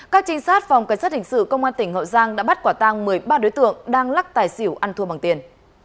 các trinh sát phòng cảnh sát hình sự công an tỉnh hậu giang đã bắt quả tang một mươi ba đối tượng đang lắc tài xỉu ăn thua bằng tiền